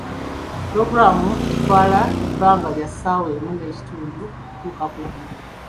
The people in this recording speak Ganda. Pulogulaamu etwale ebbanga lya ssaawa emu n’ekitundu okutuuka ku bbiri.